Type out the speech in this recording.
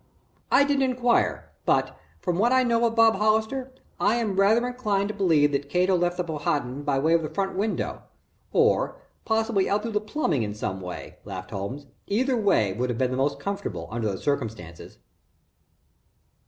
"I didn't inquire, but, from what I know of Bob Hollister, I am rather inclined to believe that Cato left the Powhatan by way of the front window, or possibly out through the plumbing, in some way," laughed Holmes. "Either way would be the most comfortable under the circumstances."